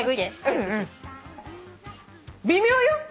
微妙よ！？